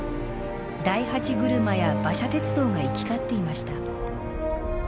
大八車や馬車鉄道が行き交っていました。